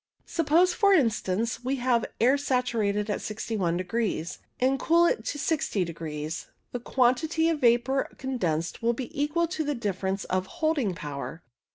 Suppose, for instance, we have air satu rated at 6 1 degrees and cool it to 60 degrees, the quantity of vapour condensed will be equal to the difference of holding power.